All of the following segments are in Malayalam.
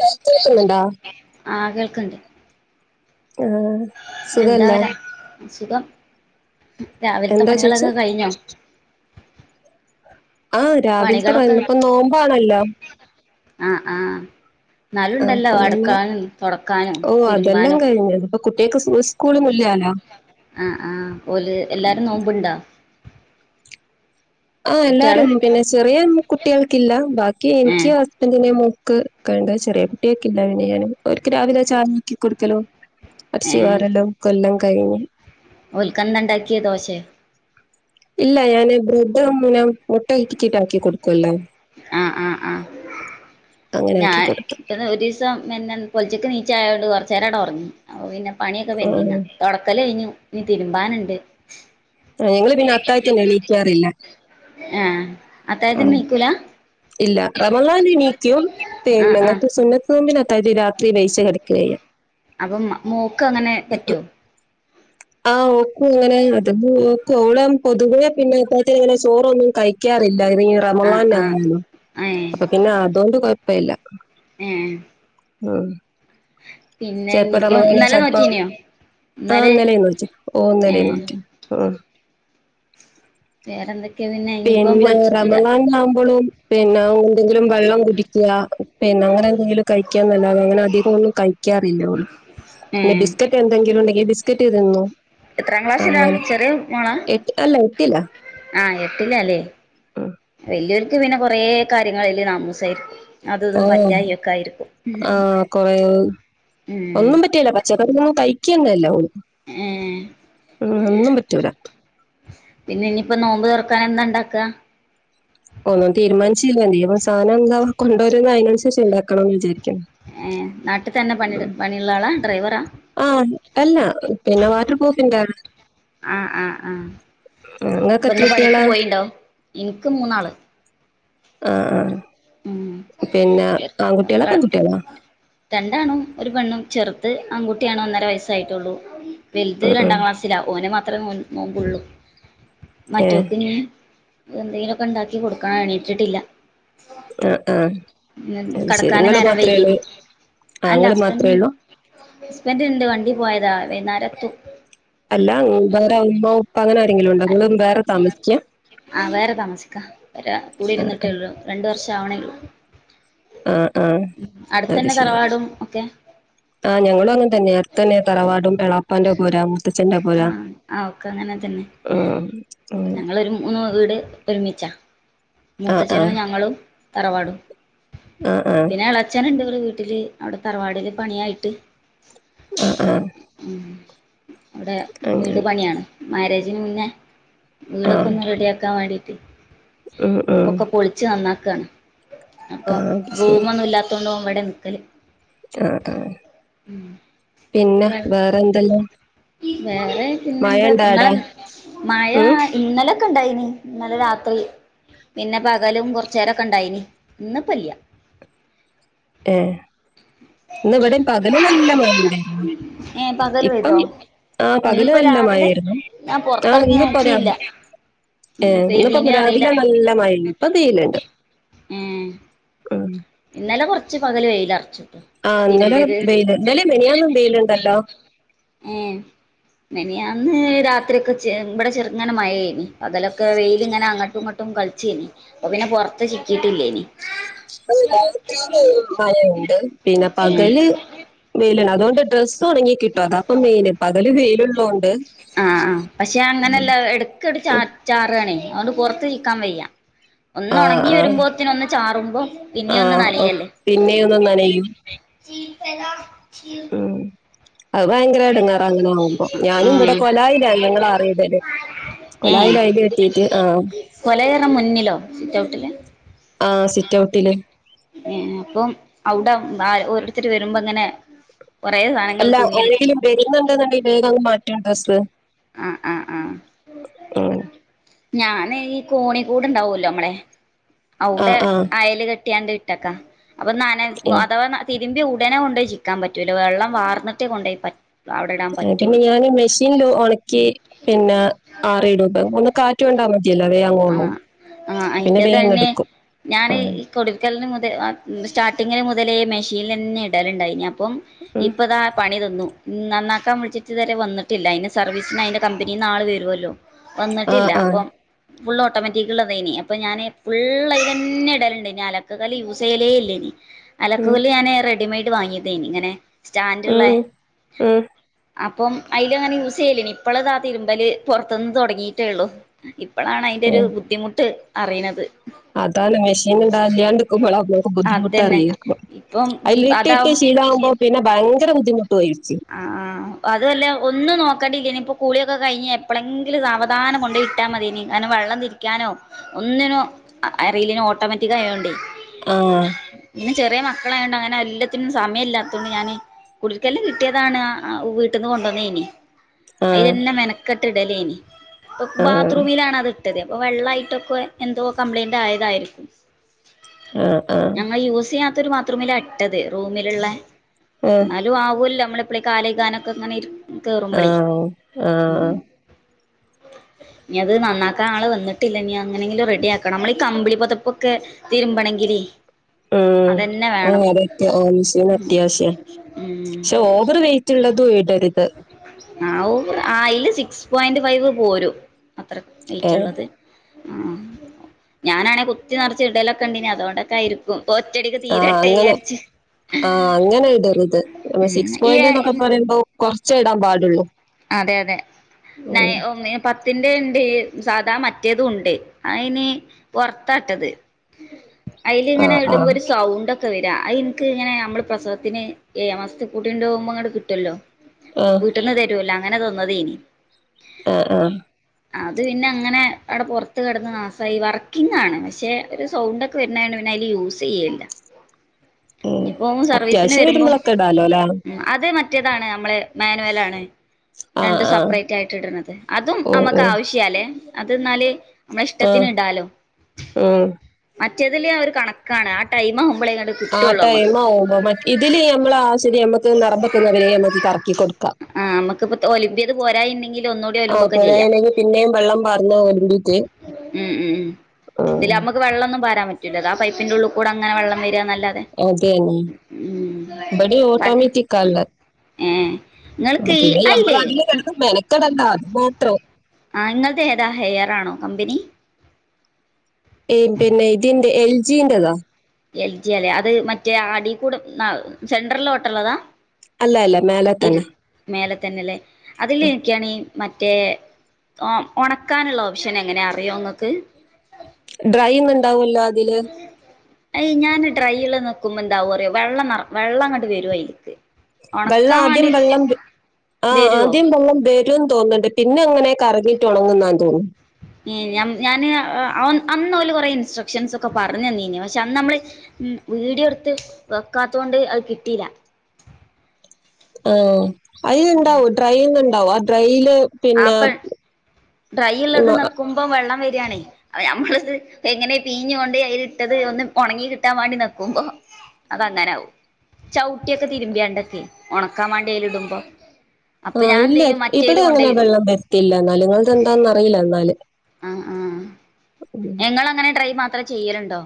കേൾക്കുന്നുണ്ടോ ആ കേൾക്കണ്ട്. ഏഹ്. എന്താ ര സുഖം. രാവിലത്തെ എന്താ ചേച്ചി പണികളൊക്കെ കഴിഞാ? ആ രാവിലത്തെ പണികളൊക്കെ [unintelligible] ഇപ്പ നോമ്പാണല്ലോ. ആഹ് ആ. ന്നാലും ആഹ് ണ്ടല്ലോ അപ്പൊ പിന്നെ അടുക്കാനും, തൊടക്കാനും, ഓ അതെല്ലാം തിരുമ്പാനും ഒക്കെ. കഴിഞ്ഞു ഇപ്പൊ കുട്ടികൾക്ക് സ്കൂളൊന്നുംല്ലാലോ ആഹ് ആ ഓല് എല്ലാവരും നോമ്പുണ്ടാ. ഓ കുട്ട്യാള് എല്ലാരും. പിന്നെ ചെറിയ കുട്ടികൾക്കില്ല. ബാക്കി ഏ എനിക്ക് ഹസ് ന്റിന്, മോക്ക് കണ്ട ചെറിയ കുട്ടിയൊക്കെ ഇല്ല, പിന്നെ ഞാൻ അവർക്ക് രാവിലെ ചായാക്കി കൊടുക്കലോ. ഏ അടച്ചി വാരലും കൊല്ലം കഴിഞ്ഞ്. ഓൽക്ക ന്താ ഉണ്ടാക്കിയെ, ദോശെ? ഇല്ല, ഞാന് ബ്രെഡും മുനം മുട്ട ഇച്ച്ചിക്കാകിട്ടു കൊടുക്കുവല്ലോ. ആഹ് ആ ആ അങ്ങനെ ഞാൻ, ആക്കി കൊടുത്തു [unintelligible] ഒരിസം പിന്നെ പൊലച്ചക്ക് നീച്ച ആയതോണ്ട്, കുറച്ച നേരങ്ങട് ഒറങ്ങി. അപ്പോ പിന്നെ പണിയൊക്കെ പെൻഡിങ്ങാ. ആഹ് തൊടക്കല് കഴിഞ്ഞു. ഇനി തിരുമ്പാനുണ്ട്. ഏ ങ്ങള് പിന്നെ അത്തായത്തിന് എണീക്കാറില്ല. ആ. അത്താഴത്തിന് അം നീക്കൂല ഇല്ല റമളാൻ എനിക്കും, ആ പിന്നെ ആ ങ്ങക്ക് സുന്നത്, [unintelligible] ജ് രാത്രി [unintelligible] കിടക്കേയ. അപ്പൊ മോക്ക് അങ്ങനെ പറ്റൊ? [inaudible] ആഹ് ഓക്കു അങ്ങനെ. [unintelligible] ഓളും പൊതുവേ പിന്നെ [unintelligible] ങ്ങനെ ചോറ ഒന്നും കഴിക്കാ റില്ല. ഈ ആഹ് റമളാൻ ആഹ് ആണല്ലോ. ഏഹ് അപ്പൊ പിന്നെ അതുകൊണ്ട് കൊഴപ്പില്ല. ഏഹ്. ആ. പിന്നെ ഇനിയിപ്പോ ഇന്നലെ നോറ്റീനോ [unintelligible] ഇന്നലെ ഏഹ് [unintelligible] വേറെ എന്തൊക്കെ? പിന്നെ റമളാനിലാവുമ്പോളും പിന്നെ എന്തെങ്കിലും വെള്ളം കുടിക്കുക. പിന്നെ ഓനെന്തെിലും കഴിക്കാൻ എന്നല്ലാതെ, അങ്ങനെ അധികം ഒന്നും കഴിക്കാറില്ല ഓള്. പിന്നെ ഏഹ് ബിസ്ക്കറ്റ് എന്തെങ്കിലും ഉണ്ടെങ്കില് ബിസ്ക്കറ്റ് തിന്നു. എത്രാം ക്ലാസ്സിലാ അങ്ങനെ, ചെറിയ എ അല്ല എട്ടില. ആ എട്ടിലാല്ലേ. വല് യൊര് ക്ക് പിന്നെ കൊറെ കാര്യങ്ങളല് താമസായിരിക്കും. ആഹ് ആ കൊറേ, ഉം ഒന്നും പറ്റേല. [unintelligible] ന്നും കയ്ക്കന്നല്ല ഓള്. ഏഹ് ഒന്നും പറ്റൂല. പിന്നെ ഇനിപ്പോ നോമ്പ് തൊറക്കാനെന്ത ണ്ടാക്ക? ഒന്നും തീരുമാൻചീല്ല. [unintelligible] സാനംന്താ കൊണ്ടോരുമ്പോ അയ്നൻസര്ച്ച് ണ്ടാക്കണം ന്ന് വിചാരിക്കിണ്. ഏഹ് നാട്ട് തന്നെ പണിട പണിള്ളാളാ, ഡ്രൈവറാ? ആ അല്ല പിന്നെ വാട്ടർ പ്രൂഫ്ന്റാണ് ആ ആ ആ ഇങ്ങക്ക് എത്ര അപ്പൊന്ന് പണിക്ക് കുട്ടികളാ പോയിണ്ടോ ൻക്ക് മൂന്നാള് ആ ഉം പിന്നെ ആൺകുട്ട്യാളോ പെൺകുട്ട്യാളോ രണ്ടാണും ഒരു പെണ്ണും ചെർത് ആൺകുട്ട്യാണ് ഒന്നര വയസ്സായിട്ടുള്ളൂ വെൽത് ഉം ഉം രണ്ടാം ക്ലാസ് ത്തില ഓന് മാത്രേ നോൽ നോമ്പുള്ളൂ ഏഹ് മറ്റോക്ക്നി എന്തേലൊക്കെണ്ടാക്കി കൊടുക്കണം എണീറ്റ്ട്ടില്ല ആഹ് ആഹ് അത് ശരി കടക്കാന് ഇങ്ങള് നേരം മാത്രേ വെയ്ക്യോ ഉള്ളൂ ആഹ് അല്ല ഇങ്ങള് മാത്രേ ഹസ്ബന്റ് ഉള്ളൂ ഹസ്ബന്റ്ണ്ട് വണ്ടി പോയതാ വെയ്നാരെത്തും അല്ല വേറെ ഉമ്മാ ഉപ്പ അങ്ങനാരെങ്കിലുണ്ടോ ങ്ങള് വേറെ താമസിക്യ ആ വേറെ താമസിക്ക രാ കുടി ആഹ് ആഹ് ഇര്ന്നിട്ടേള്ളു രണ്ട് വർഷാവ്ണേള്ളൂ ആഹ് ആഹ് അട്ത്തെന്നെ തറവാടും ഒക്കെ ആ ഞങ്ങളും അങ്ങെൻത്തെന്നെ അട്തെന്നെ തറവാടും എളാപ്പാന്റെ പൊര മൂത്തച്ഛന്റെ ആ പൊരാ ആ ഒക്കെ അങ്ങനെത്തെന്നെ ഉം ഞങ്ങളൊരു മൂന്ന് വീട് ഒരുമിച്ചാ ആഹ് മൂത്തച്ഛനും ആഹ് ഞങ്ങളും തറവാടും ആ ആ പിന്നെ എളേച്ചന്ണ്ട് ഇവടെ വീട്ടില് അവടെ തറവാട്ട്ല് പണിയായിട്ട് ആ ആ ഉം അവടെ അങ്ങനെ വീട് പണിയാണ് മേരേജിന് മുന്നേ ആഹ് വീടൊക്കൊന്ന് റെഡ്യാക്കാ വാണ്ടിട്ട് ഉം ഉം ഒക്കെ പൊളിച്ച് നന്നാക്കാണ് അപ്പൊ ആഹ് അത് ശരി റൂമൊന്നുല്ലാത്തോണ്ട് ഓ ഇവടെ നിക്കല് ആ ആ ഉം പിന്നെ വേറെന്തെല്ലാ വേറെ പിന്നെന്താ ആടെ ങ്ങളെ മയാ ഉം ന്നലൊക്കെണ്ടായിനി ഇന്നലെ രാത്രി പിന്നെ പകലും കൊർചേരൊക്കെ ണ്ടായിനി ഇന്ന്പ്പല്ല്യ ഏ ഇന്ന്വടിം പകല് നല്ല മയണ്ടെ ഏ പകല് പെയ്തോ ആ പകല് ഇനിയിപ്പോ നല്ല രാവിലെ മയേയ്ര്ന്നു ഞാൻ ആ പൊറത്തെറങ്ങി ന്ന്പ്പൊരാ നോക്കിയില്ല ഏ ഉം ന്ന്പ്പൊ പെയ്തീനോ അറിയില്ല രാവിലെ നല്ല മയേനു അതീല്ണ്ട് ഉം ന്നലെ കൊർച്ച് പകല് വെയിലർച്ചുട്ടോ ആ ന്നലെ വെയ്ല് ന്നലിം മെനിയാന്നും വെയ്ല്ണ്ടല്ലോ മെനയാന്ന് രാത്രിയൊക്കെ ചെ ഇവടെ ചെർങ്ങനെ മഴേയ്ന് പകലൊക്കെ വെയില് ങ്ങനെ അങ്ങട്ടുങ്ങട്ടു ട്ടും കൾചേനി പ്പൊ പിന്നെ പൊർത്ത് ചിക്കിട്ടില്ലേനി [unintelligible] പിന്നെ ഉം പകല് വെയ്ല്ണ്ട് അതോണ്ട് ഡ്രസ്സൊണങ്ങി കി അതാപ്പൊ മെയ്ന് പകല് വെയില്ള്ളോണ്ട് ആഹ് ആഹ് പക്ഷെ അങ്ങനെല്ല എടക്കട് ചാ ചാറാണേ അതൊണ്ട് പൊർത്ത് ചിക്കാൻ വെയ്യ ആ ഒന്നൊണങ്ങി ആ വെരുമ്പോത്തിന് ഒന്ന് ചാറുമ്പൊ ആ പിന്നിം ഒന്ന് ഓ, നനയല്ലേ പിന്നെയൊന്ന് നനയും ചീതല ഉം അത് ഭയങ്കര എടങ്ങേറ അങ്ങനാകുമ്പോ ഞാനും വടെ കൊലായില ഞങ്ങളാറിടല് ഏ കൊലായിലയലെട്ടീട്ട് ആ കൊലയറ മുന്നിലോ സിറ്റ്ഔട്ട്ല് ആ സിറ്റ്ഔട്ടില് ഏ അപ്പം അവടെ ഓരോര്ത്തര് വെരുമ്പോങ്ങനെ കൊറേ സ അല്ല ഒങ്കിലും വരുന്നുണ്ടെന്നുണ്ടെങ്കിൽ വേഗംങ് മാറ്റും ഡ്രസ്സ് ആ ആ ഉം ഞാനീ കോണിക്കൂട്ണ്ടാവല്ലോ മ്മളെ ആ ഔടെ ആ അയല് കെട്ട്യാണ്ട് ട്ടക അപ്പ നന ഉം. അഥവാ തി ര്‌മ്പ്യ ഉടനെ കൊണ്ടോയി ചിക്കാംപറ്റൂല വെള്ളം വാർന്ന്ട്ടേ കൊണ്ടോയി പ പിന്നെ ഞാന് മെശ് ഷില്ലു ഒണക്കി പിന്നെ ആറിടൂപ ഒന്ന് കാറ്റ്കൊണ്ടാ മതിയല്ലോ വേ ങ്ങൊള്ളൂ ആഹ് പിന്നെ വേ ങ്ങെടുക്കും ഞാൻ ഈ കുടിര്ക്കൽന് മുതൽ സ്റ്റാർട്ടിങ്ങല് മുതലേ മെഷീൽലന്നെടലുണ്ടായ്ന്യപ്പം ഉം. ഇപ്പതാ പണി തന്നു നന്നാക്കാം വിൾച്ചിട്ട് ഇത് വരെ വന്നിട്ടില്ല അതിന്റെ സർവീസിന് അതിന്റെ കമ്പനീന്ന് ആൾ വരുവല്ലോ ആ വന്നിട്ടില്ല ആ പ്പം ഫുൾ ഓട്ടോമാറ്റിക്ക്ള്ളതേനി അപ്പൊ ഞാന് ഫുള്ളയ്ലന്നെ ഇടലിണ്ടേനി അലക്ക് കല്ല് യൂസ് ക്കലേ ഇല്ലേനി അലക്ക് ഉം കല്ല് ഞാന് റെഡിമെയ്ഡ് വാങ്ങിയതേനി ഇങ്ങനെ സ്റ്റാൻഡ് ള്ളെ ഉം ഉം അപ്പം അയ്‌ലങ്ങനെ യൂസെയ്ലേനീ ഇപ്പള്താ തിര്മ്പല് പൊർത്തുന്ന് തൊടങ്ങിട്ടേള്ളു ഇപ്പളാണ് അയ്ന്റൊരു ഉം ബുദ്ധിമുട്ട് അറിണത് അതാണ് മെഷീന്ണ്ട‌ല്യാണ്ട്ക്കുമ്പളാ മ്മക്ക് അതന്നെ ബുദ്ധിമുട്ടറ്യാ ഇപ്പം അയ്ൽ ഇട്ടിട്ട് അതാവും ശീലാകുമ്പോ പിന്നെ ഭയങ്കര ബുദ്ധിമുട്ടും ആയ്രിക്ക്യും ആഹ് ആഹ് ഇപ്പതോല ഒന്നും നോക്കണ്ടിലേനി കുളിയൊക്കെ കഴിഞ് എപ്പളെങ്കിലും സാവധാനം കൊണ്ടയ് ഇട്ടാമതിനി ങ്ങന വെള്ളം തിരി രിക്കാനോ ഒന്നിനും അറിലേനി ഓട്ടോമാറ്റിക്കായോണ്ടേ ആഹ് പിന്നെ ചെറിയ മക്കളായോണ്ട് അങ്ങനെ എല്ലത്തിനും സമയമല്ലാതൊണ്ട് ഞാന് കുടിര്ക്കൽന് കി കിട്ടിയതാണ് വീട്ടിന്ന് കൊണ്ടൊന്നെനി ആഹ് അയ്‌ലന്നെ മെനക്കെട്ട് ഇടലേനി ഇപ്പൊ ആഹ് ബാത്റൂമിലാണത് ട്ടത് അപ്പൊ വെള്ളായിട്ടൊക്കെ എന്തോ കംപ്ലയിന്റ് ആയതായിരിക്കും ആഹ് ആഹ് ഞങ്ങൾ യൂസെയ്യാത്ത ഒരു ബാത്റൂമില ഇട്ടത് റൂമില്ള്ളെ ആഹ് ന്നാലും ആവല്ലോ മ്മളെപ്പയേ കാലഗാനൊക്കെങ്ങനെ കേറുമ്പളേ ആഹ് ആഹ് ആഹ് [inaudible] ഇഞ്ഞത് നന്നാക്കാ ആൾ വന്നിട്ടില്ല ഇനിങ്ങനെങ്കിലും റെഡി ആക്കണം നമ്മളെയീ കമ്പിളി പൊതപ്പൊക്കെ തിരുമ്പണെങ്കിലെ ഉം ആഹ് അതെ ആവശ്യ അത്യാവശ്യ ഉം പക്ഷെ ഓവറ് വെയ് റ്റ്ള്ളതും ഇടരുത് ആവു ആയ്ല് സിക്സ് പോയിന്റ് ഫൈവ് പോരും അത്ര ഏഹ് വെറ്റ്ള്ളത് ആഹ് ഞാനാണേ കുത്തി നറച്ച് ഇടലൊക്കെണ്ടെനി അതോണ്ടൊക്കയിരിക്കും കൊ ആഹ് അങ്ങനെ ആഹ് അങ്ങനെ ഇടരുത് ഉം സിക്സ് ഈ പോയിന്റ് എന്നൊക്കെ പറയുമ്പോ കൊറച്ചെ ഇടാൻ പാടുള്ളൂ അതെ അതെ നയ് ഉം ഒഹ് മേം പത്തിന്റെണ്ട് സാധാ മറ്റേതുംണ്ട് അയ്ന് പൊറത്താട്ടത്. [inaudible] അയ്ല്ങ്ങനെ ആഹ് ഇടുമ്പോ ആഹ് ഒരു സൗണ്ട്ക്കെ വരാ അയ്നിക്ക് ങ്ങനെ നമ്മള് പ്രസവത്തിന് ഏയാ മാസത്ത് കൂട്ടി ണ്ടൊവുമ്പോ ങ്ങട്ട് കിട്ടല്ലോ ആഹ് വീട്ട്ന്ന് തരോല അങ്ങനെ തന്നതേനി ആഹ് ആഹ് അത് പിന്നെ അങ്ങനെ അവിടെ പുറത്ത് കിടന്ന് നാശമായി വർക്കിങ് ആണ് പക്ഷെ ഒരു സൗണ്ട്ക്കെ പിന്നെ അതിന് പിന്നെ അതില് യൂസ് ചെയലില്ല ഉം അത്യാവശ്യം വരുമ്പം വരുമ്പോളൊക്കെ ഇടാലോ അല്ലേ ആള് ഉം അത് മറ്റേതാണ് നമ്മള് മാനുവലാ ണ് ആഹ് രണ്ടും ആഹ് സെപ്പറേറ്റ് ആയിട്ട് ഇടണത് അതും ഓഹ് അമ്മക്ക് ഓഹ് ആവശ്യാ ല്ലേ അതെന്നാല് നമ്മടെ ഇഷ്ടത്തിന് ആഹ് ഇടാലോ ഉം മറ്റേതില് ഒരു കണക്കാണ് ആ ടൈം ആവുമ്പോളെങ്ങോണ്ട് ആഹ് ടൈം ആവുമ്പോ മ ഇതില് നമ്മള് ആഹ് ശരിയാ നമ്മക്ക് നിറമ്പെക്കുന്നവരെ നമ്മക്ക് കറക്കി കൊടുക്കാം ആഹ് നമുക്ക് ഇപ്പോ ഒലിമ്പിയത് പോരായിണ്ടെങ്കിൽ ഒന്നൂടി ആ ഒലിമ്പൊക്കെ ചെയ്യാം കൊഴയിലെങ്കി പിന്നെയും വള്ളം പാർന്ന് ഒൽമ്പീറ്റ് ഉം ഉം ഉം ഇതിലമ്മക്ക് വെള്ളൊന്നും പാരാൻ പറ്റൂല്ല ആ പൈപ്പിന്റെള്ളുകൂടെങ്ങനെ വെള്ളം വെരാന്നല്ലാതെ അതെന്നി ബടി പല ഓട്ടോമെറ്റിക്കാള്ളെ ഏഹ് നിങ്ങൾക്ക് ഈ പിന്നെ ഞമ്മള് അയില്ലേ അതില് കിടന്ന് മെനക്കടണ്ടാ അത് മാത്രം ആഹ് ങ്ങളത് ഏതാ ഹെയറാണോ കമ്പനി ഏഹ് പിന്നെ ഇതിന്റെ എൽ ജിന്റെ താ എൽ ജി അല്ലെ അത് മറ്റേ അടിക്കൂടെ ആ സെൻട്രലോട്ട്ള്ളതാ അല്ല അല്ല മേലെ തന്നെ മേലെ തന്നെല്ലേ അതില് എനിക്കാണേൽ മറ്റേ ഉണ ഉണക്കാനുള്ള ഓപ്ഷൻ എങ്ങനെയാ അറിയോ നിങ്ങൾക്ക് ഡ്രൈ യുന്ന്ണ്ടാവുല്ലോ അതില് അയ് ഞാന് ഡ്രൈഉള്ളത് നോക്കുമ്പോ എന്താവും അറിയോ വെള്ളംനിറ വെള്ളം അങ്ങോട്ട് വരും അയ്ല്ക്ക് വെള്ളം ആദ്യം വെള്ളം വെ ആഹ് വരുവോ ആദ്യം വെള്ളം വരു വരുന്നു തോന്നുന്നുണ്ട് പിന്നെ അങ്ങനെ കറങ്ങിട്ട് ഉണങ്ങുന്നാന്ന് തോന്നുന്നു ഞ ഞാന് അന്ന് ഓല് കൊറെ ഇൻസ്ട്രക്ഷൻസ് ഒക്കെ പറഞ്ഞ് തന്നിന്ന് പക്ഷെ അന്ന് നമ്മള് ഉം വീഡിയോ എടുത്ത് വെക്കാത്തോണ്ട് അത് കിട്ടിയില്ല ആഹ് അയിൽ ഇണ്ടാവും ഡ്രൈന്നുണ്ടാവും ആ ഡ്രൈയില് ആപ്പൺ പിന്നെ ഡ്രൈ ള്ളത് ഞെക്കുമ്പോ വെള്ളം വരിയാണേ അത് ഞമ്മളത് എങ്ങനെ പിഴി ഞ്ഞൊണ്ട് അതിൽ ഇട്ടത് ഒന്ന് ഉണങ്ങി കിട്ടാൻ വേണ്ടി നെക്കുമ്പോ അതങ്ങനാവും ചവിട്ടിയൊക്കെ തിരുമ്പിയാണ്ടൊക്കെ ഉണക്കാൻ വേണ്ടിയതില് ഇടുമ്പോ ആഹ് ഇല്ല ഇവിടെ അങ്ങനെ വെള്ളം വരുത്തിയില്ല എന്നാല് നിങ്ങടെ എന്താന്ന് അറിയില്ല എന്നാല് ആഹ് ആഹ് [inaudible] നിങ്ങൾ അങ്ങനെ ട്രൈ മാത്രം ചെയ്യലുണ്ടോ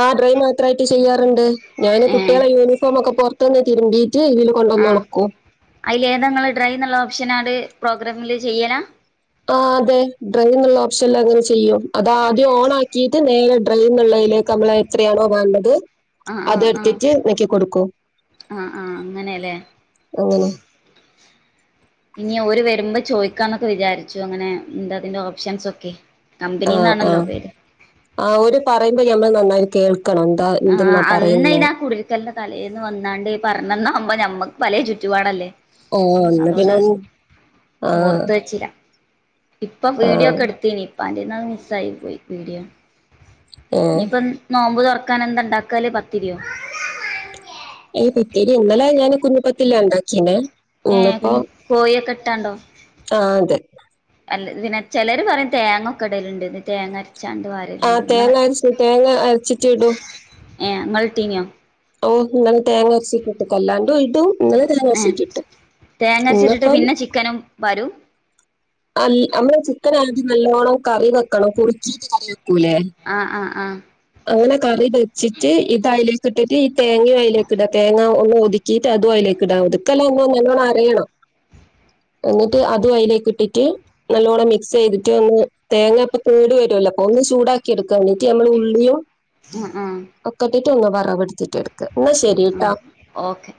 ആഹ് ഡ്രൈ മാത്രയിട്ട് ചെയ്യാറുണ്ട് ഞാന് ഏഹ് കുട്ടികളടെ യൂണിഫോം ഒക്കെ പുറത്തുന്ന് തിരുമ്പിട്ട് ഇതില് കൊണ്ടുന്നു ഉണക്കും അതില് ഏതാ നിങ്ങള് ഡ്രൈ എന്നുള്ള ഓപ്ഷൻആണ്ട് പ്രോഗ്രമില് ചെയ്യലാ ആഹ് അതെ ഡ്രൈന്നുള്ള ഓപ്ഷനില് അങ്ങനെ ചെയ്യും അത് ആദ്യം ഓൺ ആ ക്കിട്ട് നേരെ ഡ്രൈ എന്നുള്ളതിലേക്ക് നമ്മള് എത്രയാണോ വേണ്ടത് ആഹ് ആഹ് ആഹ് അതെടുത്തിട്ട് നെക്കി കൊടുക്കും ആഹ് ആഹ് അങ്ങനയല്ലേ അങ്ങനെ ഇനി ഓര് വരുമ്പോ ചോയി ക്കാന്നൊക്കെ വിചാരിച്ചു അങ്ങനെ എന്താ അതിന്റെ ഓപ്ഷൻസ് ഒക്കെ ആഹ് കമ്പനിന്നാണല്ലോ ആഹ് പേര് ആ ഓര് പറയുമ്പോ ഞമ്മള് നന്നായി കേൾക്ക ണം എന്താ ആ എന്തെന്നാ അന്ന് പറയുന്നേ [unintelligible] തലേന്ന് വന്നാണ്ട് ഈ പറഞ്ഞന്നാ അപ്പോ ഞമ്മുക്ക് പല ചുറ്റുപാടല്ലേ ഓ എന്നാ പിന്നെ അതുകൊണ്ട് ഒന്ന് ആ ഓർത്ത് വച്ചില്ല ഇപ്പ ആ വീഡിയോ ഒക്കെ എടുത്തനി ഇപ്പന്റന്ന് മിസ് ആയി പോയി വീഡിയോ ഏ ഇനിയിപ്പോ നോമ്പ് തുറക്കാൻ എന്താ ഉണ്ടാക്കല് പത്തരിയോ ഈയ് പിത്തേരി ഇന്നലെ ഞാന് കുഞ്ഞിപ്പത്തില് ഉണ്ടാക്കീന് ഏഹ് പി കോഴിയെക്കെ ഇട്ടാണ്ടോ ആ അതെ അല്ല പിന്നെ ചിലര് പറയും തേങ്ങക്കെ ഇടലുണ്ടന്ന് തേങ്ങ അരച്ചാണ്ട് വ ആഹ് തേങ്ങ അരച്ച് തേങ്ങ അരച്ചിട്ട് ഇടും ഏഹ് ഇങ്ങൾ ഇട്ടീനിയോ ഓഹ് നിങ്ങളതിന് തേങ്ങ അരച്ചിട്ട് അല്ലാണ്ട് ഇടും നിങ്ങള് ഉം തേങ്ങ അരച്ചിട്ടിട്ട് പിന്നെ ചിക്കനും വാരും അല്ല് നമ്മള് ചിക്കൻ ആദ്യം നല്ലോണം കറി വെക്കണം കുറിക്കീട്ട് കറി വെക്കൂല്ലേ ആഹ് ആഹ് ആഹ് അങ്ങനെ കറി വെച്ചിട്ട് ഇത് അതിലേക്ക് ഇട്ടിട്ട് ഈ തേങ്ങയും അതിലേക്ക് ഇടാ തേങ്ങാ ഒതുക്കീട്ട് അതും അതിലേക്ക് ഇടാം ഒതുക്കല്ലാംന്ന് നല്ലോണം അരയണം എന്നിട്ട് അതും അതിലേക്ക് ഇട്ടിട്ട് നല്ലോണം മിക്സ് ചെയ്തിട്ട് ഒന്ന് തേങ്ങപ്പ കൂടി വരുല്ലോ അപ്പൊ ഒന്ന് ചൂടാക്കി എടുക്കാൻ വേണ്ടിട്ട് ഞമ്മള് ഉള്ളിയും ഉം ഉം ഒക്കെട്ടിട്ട് ഒന്ന് വറവെടുത്തിട്ട് എടുക്ക് എന്നാ ആഹ് ശരിട്ടാ ഓക്കെ